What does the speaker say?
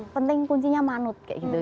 penting kuncinya manut kayak gitu